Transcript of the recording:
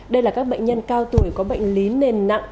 đây là các bệnh nhân cao tuổi có bệnh lý nền nặng